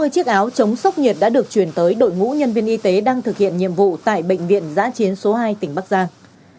sáu mươi chiếc áo chống sốc nhiệt đã được chuyển tới đội ngũ nhân viên y tế đang thực hiện nhiệm vụ tại bệnh viện giã chiến số hai tỉnh bắc giang